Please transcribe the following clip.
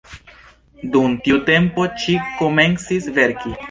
Dum tiu tempo ŝi komencis verki.